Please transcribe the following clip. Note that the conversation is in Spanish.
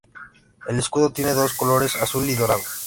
El escudo tiene dos colores: azul y dorado.